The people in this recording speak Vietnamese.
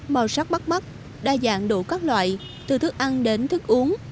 màu sắc bắt mắt đa dạng đủ các loại từ thức ăn đến thức uống